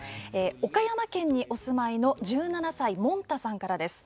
岡山県にお住まいの１７歳の方からです。